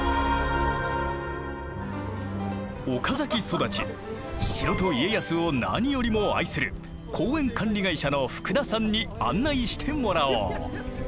岡崎育ち城と家康を何よりも愛する公園管理会社の福田さんに案内してもらおう。